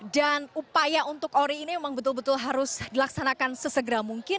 dan upaya untuk ori ini memang betul betul harus dilaksanakan sesegera mungkin